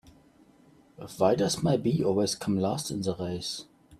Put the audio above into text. Why does my bee always come last in the race?